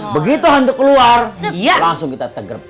begitu hantu keluar langsung kita tegep